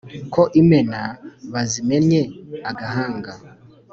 ko imena bazimennye agahanga